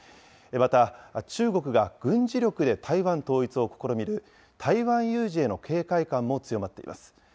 また、中国が軍事力で台湾統一を試みる台湾有事への警戒感も強まっています。